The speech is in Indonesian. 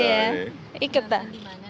bagaimana kalau untuk